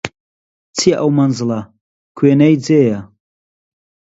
چییە ئەو مەنزڵە کوێنەی جێیە